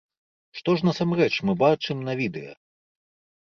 Што ж насамрэч мы бачым на відэа?